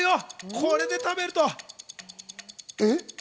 これで食べると。